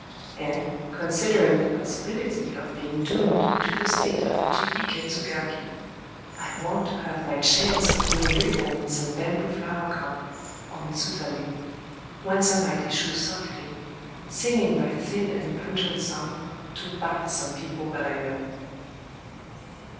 And, considering the possibility of being doomed to the state of a Jiki ketsu gaki, I want to have my chance of being reborn in some bamboo flower cup, or mizutamé, whence I might issue softly, singing my thin and pungent song, to bite some people that I know.